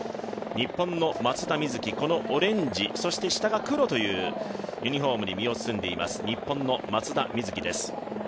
日本の松田瑞生、このオレンジそして下が黒というユニフォームに身を包んでいます日本の松田瑞生です。